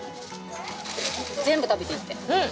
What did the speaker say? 全部食べていいってうん！